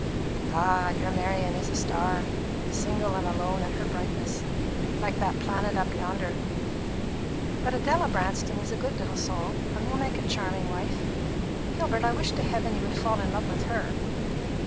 "Ah, your Marian is a star, single and alone in her brightness, like that planet up yonder! But Adela Branston is a good little soul, and will make a charming wife. Gilbert, I wish to heaven you would fall in love with her!"